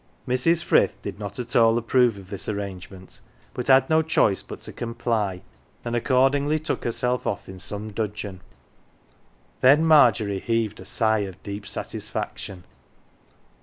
Mrs. Frith did not at all approve of this arrangement, but had no choice but to comply, and accordingly took herself off in some dudgeon. Then Margery heaved a sigh of deep satisfaction.